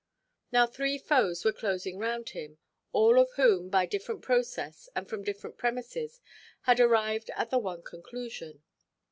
Now three foes were closing round him; all of whom, by different process, and from different premises, had arrived at the one conclusion.